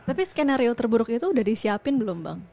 tapi skenario terburuk itu udah disiapin belum bang